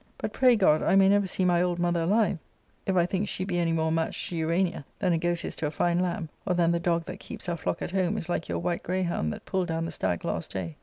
But, pray God, I may never see my old mother aUve if I think she be any more match to Urania than a goat is to a fine lamb, or than the dog that keeps our flock at home is like your white greyhound that pulled down the stag last day.